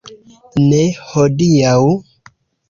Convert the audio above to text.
Ne hodiaŭ.